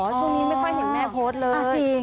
ช่วงนี้ไม่ค่อยเห็นแม่โพสต์เลย